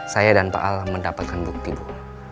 saya dan pak al mendapatkan bukti bu